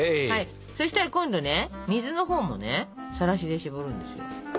そしたら今度ね水のほうもねさらしでしぼるんですよ。